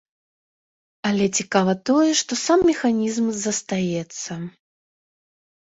Але цікава тое, што сам механізм застаецца.